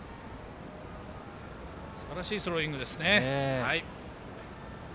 すばらしいスローイングでしたね。